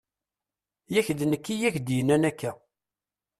Yak d nekk i ak-d-yennan akka!